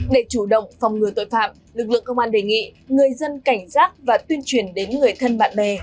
để chủ động phòng ngừa tội phạm lực lượng công an đề nghị người dân cảnh giác và tuyên truyền đến người thân bạn bè